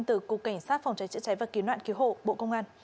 từ cục cảnh sát phòng cháy chữa cháy và cứu nạn cứu hộ bộ công an